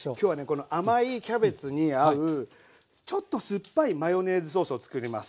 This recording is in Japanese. この甘いキャベツに合うちょっとすっぱいマヨネーズソースを作ります。